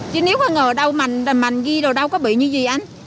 chứ nếu có ngờ thì sống như gì